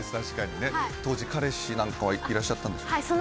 確かにね当時彼氏なんかはいらっしゃったんでしょうか？